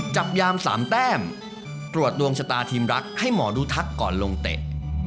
จับยาม๓แต้มตรวจดวงชะตาทีมรักให้หมอดูทักก่อนลงเตะ